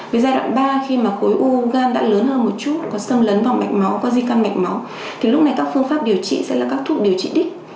với giai đoạn ba khi mà khối u gan đã lớn hơn một chút có xâm lấn vào mạch máu có di căn mạch máu thì lúc này các phương pháp điều trị sẽ là các thuốc điều trị đích